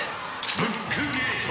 「ブックゲート！」